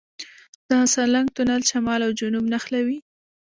د سالنګ تونل شمال او جنوب نښلوي